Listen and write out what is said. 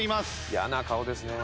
嫌な顔ですね。